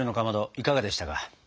いかがでしたか？